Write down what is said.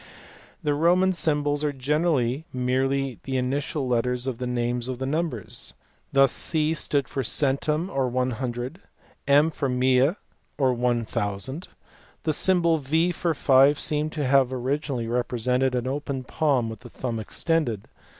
The Roman [symbols are generally merely the initial letters of the names jof the numbers; thus c stood for centum or 100, M for mille I or 1000. The symbol v for 5 seems to have originally repre I sen ted an open palm with the thumb extended.